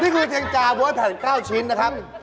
นี่คือเทียงจาเพราะว่าแผ่น๙ชิ้นนะครับ